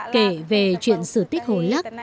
kể về chuyện sử tích hồi lắc